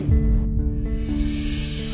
apakah anak ini masih menyusui